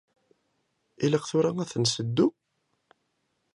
Ilaq tura ad ten-nseddu?